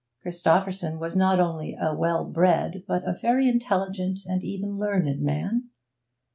Christopherson was not only a well bred but a very intelligent and even learned man.